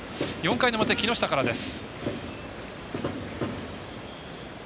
４回の表、木下からです。